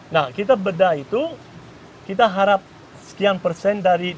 nah kita bedah itu kita harap sekian persen dari yang kita berikan